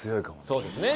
そうですね。